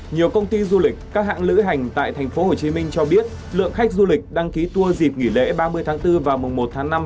nhiều công ty du lịch các hãng lữ hành tại tp hcm cho biết lượng khách du lịch đăng ký tour dịp nghỉ lễ ba mươi tháng bốn và mùng một tháng năm